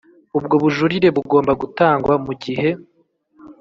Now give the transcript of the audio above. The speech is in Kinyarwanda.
ubwo bujurire bugomba gutangwa mu gihe